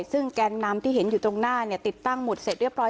ซึ่งแกนนำที่เห็นอยู่ตรงหน้าติดตั้งหุดเสร็จเรียบร้อย